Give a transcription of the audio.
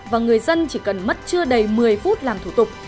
và người dân chỉ cần mất chưa đầy một mươi phút làm thủ tục